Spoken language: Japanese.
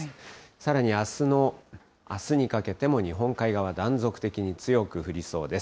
さらにあすにかけても日本海側、断続的に強く降りそうです。